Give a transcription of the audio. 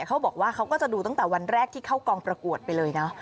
เขาก็บอกว่าเขาก็จะดูตั้งแต่วันแรกที่เข้ากองประกวดไปเลยนะ